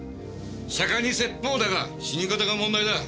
釈迦に説法だが死に方が問題だ。